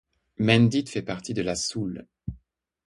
Menditte fait partie de la Soule.